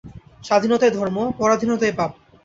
স্বাধীনতাই ধর্ম, পরাধীনতাই পাপ।